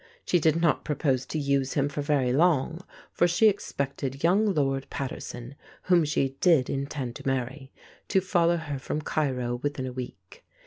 She did not propose to use him for very long, for she expected young Lord Paterson (whom she did intend to marry) to follow her from Cairo within a week.